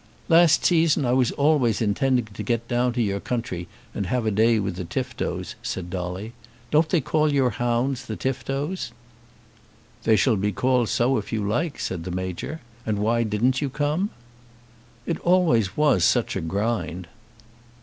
"Last season I was always intending to get down to your country and have a day with the Tiftoes," said Dolly. "Don't they call your hounds the Tiftoes?" "They shall be called so if you like," said the Major. "And why didn't you come?" "It always was such a grind."